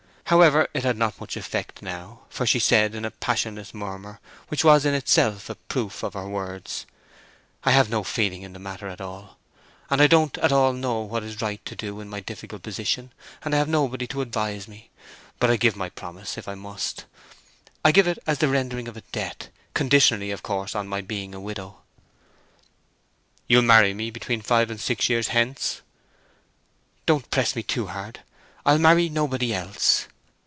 However, it had not much effect now, for she said, in a passionless murmur which was in itself a proof of her words: "I have no feeling in the matter at all. And I don't at all know what is right to do in my difficult position, and I have nobody to advise me. But I give my promise, if I must. I give it as the rendering of a debt, conditionally, of course, on my being a widow." "You'll marry me between five and six years hence?" "Don't press me too hard. I'll marry nobody else."